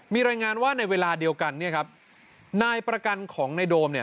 มีรายงานว่าในเวลาเดียวกันนายประกันของในโดม